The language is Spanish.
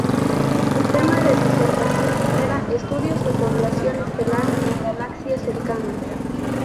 Su tema de disertación era "Estudios de población estelar en galaxias cercanas".